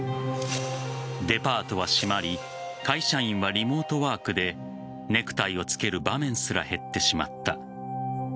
デパートは閉まり会社員はリモートワークでネクタイをつける場面すら減ってしまった。